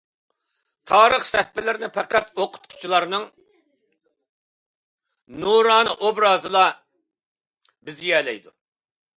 تارىخ سەھىپىلىرىنى پەقەت ئوقۇتقۇچىلارنىڭ نۇرانە ئوبرازىلا بېزىيەلەيدۇ.